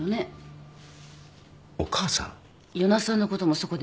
与那さんのこともそこで見掛けた。